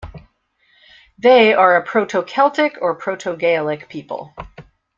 They are a proto-Celtic or proto-Gaelic people.